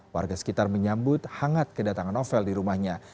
warga sekitar menyambut hangat kedatangan novel di rumahnya